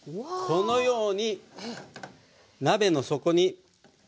このように鍋の底に。